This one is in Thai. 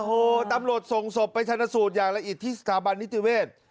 โอ้โหตำรวจส่งศพไปชนะสูตรอย่างละเอียดที่สถาบันนิติเวศ